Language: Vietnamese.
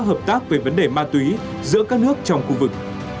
hợp tác về vấn đề ma túy giữa các nước trong khu vực